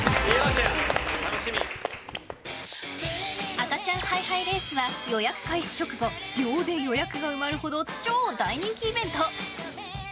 赤ちゃんハイハイレースは予約開始直後秒で予約が埋まるほど超大人気イベント！